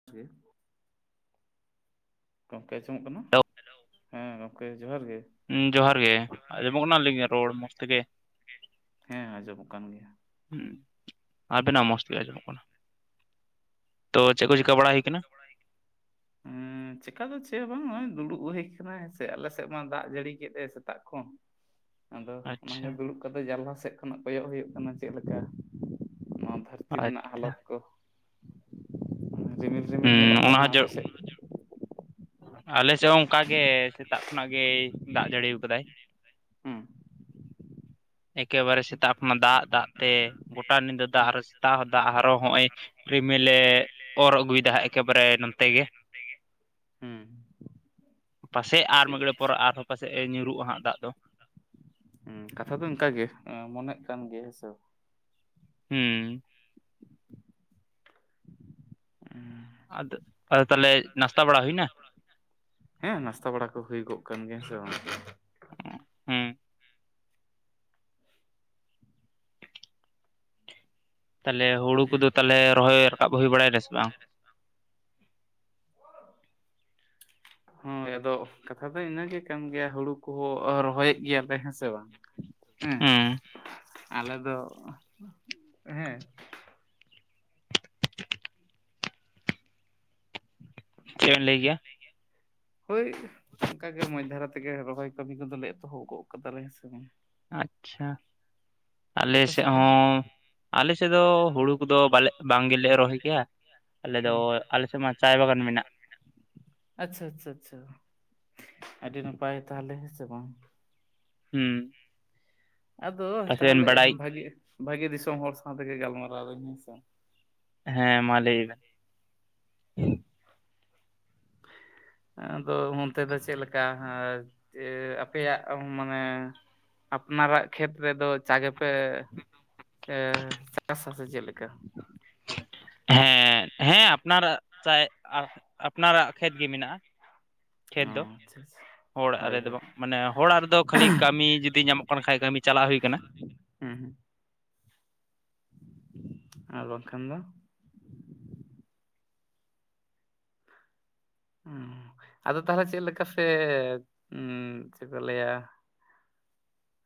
[unintelligible] ᱜᱚᱝᱠᱮ ᱟᱸᱡᱚᱢᱚᱜ ᱠᱟᱱᱟ? ᱦᱮᱞᱳ! ᱦᱮᱸ ᱜᱚᱝᱠᱮ ᱡᱚᱦᱟᱨ ᱜᱮ᱾ ᱦᱩᱸ, ᱡᱚᱦᱟᱨ ᱜᱮ᱾ ᱦᱩᱸ ᱡᱚᱦᱟᱨ ᱜᱮ ᱟᱸᱡᱚᱢᱚᱜ ᱠᱟᱱᱟ ᱟᱹᱞᱤᱧᱟᱝ ᱟᱸᱡᱚᱢᱚᱜ ᱨᱚᱲ ᱠᱟᱱᱟ ᱢᱚᱡᱽ ᱟᱹᱞᱤᱧᱟᱜ ᱛᱮᱜᱮ? ᱨᱚᱲ? ᱦᱮᱸ ᱟᱸᱡᱚᱢᱚᱜ ᱠᱟᱱ ᱜᱮᱭᱟ᱾ ᱦᱩᱸ, ᱟᱵᱮᱱᱟᱜ ᱢᱚᱡᱽ ᱛᱮᱜᱮ ᱟᱵᱮᱱᱟᱜ ᱟᱸᱡᱚᱢᱚᱜ ᱢᱚᱸᱡᱽ ᱠᱟᱱᱟ᱾ ᱛᱮ ᱛᱚ ᱪᱮᱫ ᱠᱚ ᱪᱤᱠᱟ ᱵᱟᱲᱟ ᱦᱩᱭ ᱠᱟᱱᱟ? [unintelligible] ᱪᱮᱠᱟ ᱫᱚ ᱪᱮᱫ ᱦᱚᱸ ᱵᱟᱝ᱾ ᱦᱚᱸᱜ-ᱚᱭ ᱫᱩᱲᱩᱵ ᱦᱩᱭ ᱠᱟᱱᱟ ᱦᱮᱸ ᱥᱮ᱾ ᱟᱞᱮ ᱥᱮᱫ ᱢᱟ ᱫᱟᱜ ᱡᱟᱹᱲᱤ ᱠᱮᱫ-ᱮ ᱥᱮᱛᱟᱜ ᱠᱷᱚᱱ᱾ [inaudible] ᱟᱫᱚ ᱟᱪᱪᱷᱟ ᱚᱱᱟᱜᱮ ᱫᱩᱲᱩᱵ ᱠᱟᱛᱮᱜ ᱡᱟᱱᱞᱟ ᱥᱮᱫ ᱠᱷᱚᱱᱟᱜ ᱠᱚᱭᱚᱜ ᱦᱩᱭᱩᱜ ᱠᱟᱱᱟ ᱪᱮᱫ ᱞᱮᱠᱟ ᱱᱚᱣᱟ ᱫᱷᱟᱨ ᱫᱷᱟᱨᱛᱤ ᱨᱮᱱᱟᱜ ᱟᱪᱪᱷᱟ ᱦᱟᱞᱚᱛ ᱠᱚ? ᱨᱤᱢᱤᱞ ᱨᱤᱢᱤᱞ ᱦᱩᱸ ᱧᱮᱞᱚᱜ ᱚᱱᱟ ᱠᱟᱱᱟ ᱦᱚᱸ ᱡᱚ ᱟᱯᱮᱥᱮᱫ ᱟᱞᱮ ᱥᱮᱫ ᱦᱚᱸ ᱚᱱᱠᱟ ᱜᱮ ᱥᱮᱛᱟᱜ ᱠᱷᱚᱱᱟᱜ ᱜᱮ ᱫᱟᱜ ᱡᱟᱹᱲᱤᱣ ᱠᱟᱫᱟᱭ ᱾ ᱦᱩᱸ᱾ ᱮᱠᱮᱵᱟᱨᱮ ᱥᱮᱛᱟᱜ ᱠᱷᱚᱱᱟᱜ ᱫᱟᱜ-ᱫᱟᱜ ᱛᱮ ᱜᱚᱴᱟ ᱧᱤᱫᱟᱹ ᱫᱟᱜ ᱟᱨᱚ ᱥᱮᱛᱟᱜ ᱫᱟᱜ ᱟᱨᱚᱸ ᱦᱚᱸᱜ-ᱚᱭ ᱱᱚᱜᱼᱚᱭ ᱨᱤᱢᱮᱞᱮ ᱵᱮᱞᱮ ᱚᱨ ᱟᱹᱜᱩᱭᱮᱫᱟ ᱚᱨ ᱦᱟᱸᱜ ᱟᱹᱜᱩᱭᱮᱫᱟ ᱮᱠᱮᱵᱟᱨᱮ ᱦᱟᱸᱜ ᱱᱚᱛᱮ ᱮᱠᱮᱵᱟᱨᱮ ᱜᱮ᱾ ᱦᱩᱸ᱾ ᱯᱟᱥᱮᱡ ᱟᱨ ᱴᱷᱤᱠ ᱢᱤᱲᱮᱜ ᱯᱚᱨᱮ ᱟᱨᱦᱚᱸ ᱯᱟᱥᱮᱡ ᱧᱩᱨᱩᱜᱼᱟ ᱦᱟᱸᱜ ᱫᱟᱜ ᱫᱚ? ᱠᱟᱛᱷᱟ ᱫᱚ ᱚᱱᱠᱟᱜᱮ ᱢᱚᱱᱮᱜ ᱠᱟᱱ ᱜᱮᱭᱟ ᱦᱮᱸᱥᱮ᱾ ᱦᱩᱸᱻ ᱟᱫᱚ ᱟᱫᱚ ᱛᱟᱦᱚᱞᱮ ᱱᱟᱥᱛᱟ ᱵᱟᱲᱟ ᱦᱩᱭᱱᱟ? ᱦᱮᱸ ᱱᱟᱥᱛᱟ ᱵᱟᱲᱟ ᱠᱚ ᱦᱩᱭᱚᱜ ᱠᱟᱱ ᱜᱮᱭᱟ ᱥᱮ ᱵᱟᱝ? ᱦᱩᱸᱻ ᱛᱟᱦᱚᱞᱮ ᱦᱩᱲᱩ ᱠᱚᱫᱚ ᱛᱟᱦᱚᱞᱮ ᱨᱚᱦᱚᱭ ᱨᱟᱠᱟᱵ ᱦᱩᱭ ᱵᱟᱲᱟᱭᱱᱟ ᱥᱮ ᱵᱟᱝ? ᱦᱚᱭ ᱟᱫᱚ ᱠᱟᱛᱷᱟ ᱫᱚ ᱤᱱᱟᱹᱜᱮ ᱠᱟᱱ ᱜᱮᱭᱟ ᱦᱩᱲᱩ ᱠᱚᱦᱚᱸ ᱨᱚᱦᱚᱭᱮᱫ ᱜᱮᱭᱟᱞᱮ ᱦᱮᱸ ᱥᱮ ᱵᱟᱝ᱾ ᱦᱮᱸ ᱦᱩᱸ ᱟᱞᱮ ᱫᱚ ᱦᱮᱸᱼᱼ ᱪᱮᱫᱵᱮᱱ ᱞᱟᱹᱭ ᱜᱮᱭᱟ? ᱦᱳᱭ ᱚᱱᱠᱟᱜ ᱜᱮ ᱢᱚᱸᱡᱽ ᱫᱷᱟᱨᱟ ᱛᱮᱜᱮ ᱨᱚᱦᱚᱭ ᱠᱟᱹᱢᱤ ᱠᱚᱫᱚᱞᱮ ᱮᱛᱚᱦᱚ ᱜᱚᱫ ᱠᱟᱫᱟᱞᱮ ᱦᱮ ᱥᱮ ᱵᱟᱝ, ᱟᱪᱪᱷᱟ ᱟᱞᱮ ᱟᱯᱮ ᱥᱮᱫ ᱫᱚ ᱦᱚᱸᱼᱼ ᱟᱞᱮ ᱥᱮᱫ ᱫᱚ ᱦᱩᱲᱩ ᱠᱚᱫᱚ ᱵᱟᱞᱮ ᱵᱟᱝ ᱜᱮᱞᱮ ᱨᱚᱦᱚᱭ ᱜᱮᱭᱟ᱾ ᱟᱞᱮᱫᱚ ᱟᱞᱮᱥᱮᱫ ᱢᱟ ᱪᱟᱭ ᱵᱟᱜᱟᱱ ᱢᱮᱱᱟᱜ ᱟᱪᱪᱷᱟ ᱟᱪᱪᱷᱟ ᱟᱪᱪᱷᱟ ᱟᱹᱰᱤ ᱱᱟᱯᱟᱭ ᱛᱟᱦᱮ ᱦᱮᱸ ᱥᱮ ᱵᱟᱝ᱾ ᱦᱩᱸ ᱟᱫᱚ ᱯᱟᱥᱮᱡ ᱵᱮᱱ ᱛᱟᱦᱚᱞᱮ ᱵᱟᱰᱟᱭ ᱵᱷᱟᱜᱤ ᱵᱷᱟᱹᱜᱤ ᱫᱤᱥᱚᱢ ᱦᱚᱲ ᱥᱟᱶ ᱛᱮᱜᱮ ᱜᱟᱞᱢᱟᱨᱟᱣᱫᱟᱹᱧ ᱦᱮᱸᱥᱮ᱾ ᱦᱮᱸ ᱢᱟ ᱞᱟᱹᱭ ᱵᱮᱱ? ᱟᱫᱚ ᱚᱱᱛᱮ ᱫᱚ ᱪᱮᱫ ᱞᱮᱠᱟ ᱟᱯᱮᱭᱟᱜ ᱢᱟᱱᱮᱼᱼ ᱟᱯᱱᱟᱨᱟᱜ ᱠᱷᱮᱛ ᱨᱮᱫᱚ ᱪᱟ ᱜᱮᱯᱮᱼᱼ ᱮ ᱪᱟᱥ ᱟᱥᱮ ᱪᱮᱫᱮᱠᱟ? ᱦᱮᱸ ᱦᱮᱸ ᱟᱯᱱᱟᱨᱟᱜ ᱪᱟᱭ ᱟᱯᱱᱟᱨᱟᱜ ᱠᱷᱮᱛ ᱜᱮ ᱢᱮᱱᱟᱜᱼᱟ᱾ ᱚ ᱠᱷᱮᱛ ᱫᱚ ᱟᱪᱪᱷᱟ ᱟᱪᱪᱷᱟ ᱦᱚᱲᱟᱜ ᱦᱳᱭ ᱨᱮᱫᱚ ᱦᱳᱭ ᱵᱟᱝ ᱢᱟᱱᱮ ᱦᱚᱲᱟᱜ ᱨᱮᱫᱚ ᱠᱷᱟᱹᱞᱤ ᱠᱟᱹᱢᱤ ᱡᱩᱫᱤ ᱧᱟᱢᱚᱜ ᱠᱟᱱ ᱠᱷᱟᱡ ᱠᱟᱹᱢᱤ ᱪᱟᱞᱟᱜ ᱦᱩᱭ ᱠᱟᱱᱟ᱾ ᱦᱮᱸ ᱦᱮᱸ ᱟᱨ ᱵᱟᱝᱠᱷᱟᱱ ᱫᱚ? ᱟᱫᱚ ᱛᱟᱦᱚᱞᱮ ᱪᱮᱫ ᱞᱮᱠᱟ ᱯᱮ ᱪᱮᱫ ᱠᱚᱮ ᱞᱟᱹᱭᱟ᱾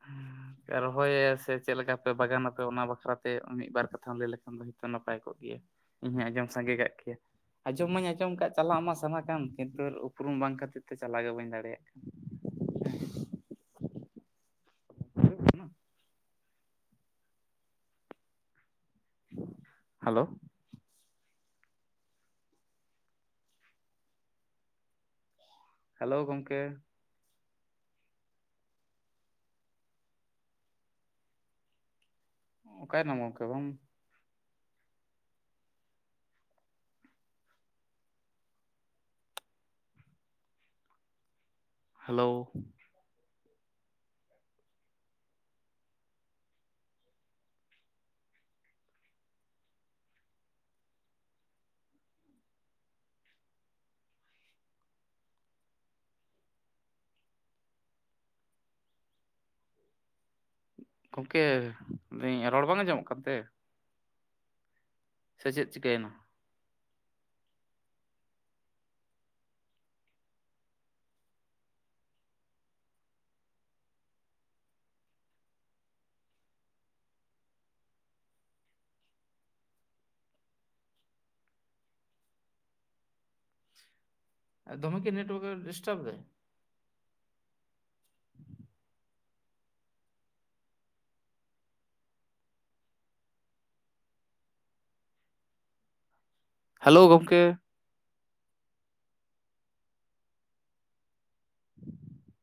ᱦᱮᱸ [unintelligible] ᱨᱚᱦᱚᱭ ᱭᱟ ᱥᱮ ᱪᱮᱫ ᱞᱮᱠᱟ ᱯᱮ ᱵᱟᱜᱟᱱᱟ ᱟᱯᱮ ᱚᱱᱟ ᱵᱟᱠᱷᱨᱟᱛᱮ ᱢᱤᱫᱵᱟᱨ ᱠᱟᱛᱷᱟᱢ ᱞᱟᱹᱭ ᱞᱮᱠᱷᱟᱱ ᱫᱚ ᱦᱚᱸ ᱱᱟᱯᱟᱭ ᱠᱚᱜ ᱜᱮᱭᱟ? ᱤᱧ ᱦᱩᱧ ᱟᱡᱚᱢ ᱥᱟᱜᱮ ᱠᱟᱜ ᱠᱮᱭᱟ? ᱟᱸᱡᱚᱢ ᱢᱟᱟᱹᱧ ᱟᱸᱡᱚᱢ ᱠᱟᱫ ᱪᱟᱞᱟᱜ ᱢᱟ ᱥᱟᱱᱟ ᱠᱟᱱ ᱠᱤᱱᱛᱩ ᱩᱯᱨᱩᱢ ᱵᱟᱝ ᱠᱷᱟᱹᱛᱤᱨ ᱛᱮ ᱪᱟᱞᱟᱜ ᱜᱮ ᱵᱟᱹᱧ ᱫᱟᱲᱮᱭᱟᱜ ᱠᱟᱱᱟ᱾ ᱦ [unintelligible] [unintelligible] ᱦᱮᱞᱳ ᱦᱮᱞᱳ ᱜᱚᱢᱠᱮ? ᱚᱠᱟᱭᱮᱱᱟᱢ ᱜᱟᱢᱠᱮ ᱵᱟᱝᱼᱼ ᱦᱮᱞᱳ ᱜᱚᱢᱠᱮ ᱞᱟᱹᱭᱫᱟᱹᱧ ᱨᱚᱲ ᱵᱟᱝ ᱟᱸᱡᱚᱢᱚᱜ ᱠᱟᱱᱛᱮ? ᱥᱮ ᱪᱮᱫ ᱪᱤᱠᱟᱹᱭᱮᱱᱟ? ᱫᱚᱢᱮ ᱠᱤ ᱱᱮᱴᱣᱚᱨᱠ ᱰᱤᱥᱴᱵᱽ ᱫᱟᱭ [unintelligible] ᱦᱮᱞᱳ ᱜᱚᱢᱠᱮ [inaudible]